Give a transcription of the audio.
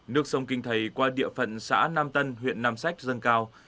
nước sông kinh thầy qua địa phận xã nam tân huyện nam sách dâng cao